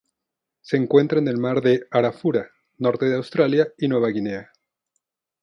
Se encuentra en el Mar de Arafura, norte de Australia y Nueva Guinea.